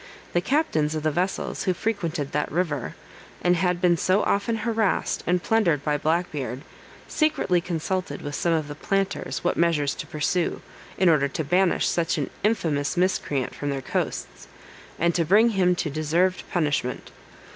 The captains of the vessels who frequented that river, and had been so often harrassed and plundered by Black Beard, secretly consulted with some of the planters what measures to pursue, in order to banish such an infamous miscreant from their coasts, and to bring him to deserved punishment.